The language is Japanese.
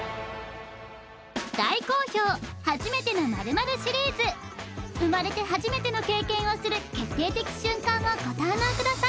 大好評初めての○○シリーズ生まれて初めての経験をする決定的瞬間をご堪能ください